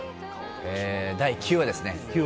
第９話ですね。